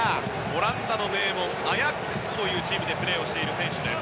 オランダの名門アヤックスというチームでプレーしています。